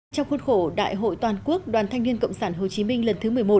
trong khuôn khổ đại hội toàn quốc đoàn thanh niên cộng sản hồ chí minh lần thứ một mươi một